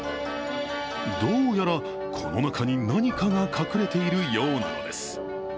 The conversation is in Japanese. どうやら、この中に何かが隠れているようなのです。